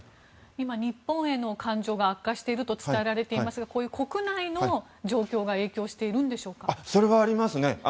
今、日本への感情が悪化していると伝えられていますがこういう国内の状況がそれはありますね。